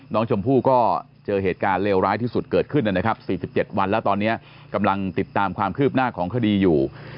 น้องชมพู่ก็เจอเหตุการณ์เลวร้ายที่สุดเกิดขึ้นนะครับ๔๗วันแล้วตอนนี้กำลังติดตามความคืบหน้าของคดีอยู่